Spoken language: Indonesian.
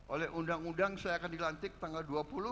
oleh undang undang saya akan dilantik tanggal dua puluh